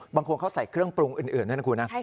บางคนเขาใส่เครื่องปรุงอื่นด้วยนะคุณนะ